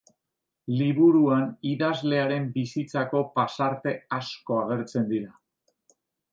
Liburuan idazlearen bizitzako pasarte asko agertzen dira.